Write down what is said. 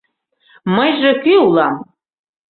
— Мыйже кӧ улам?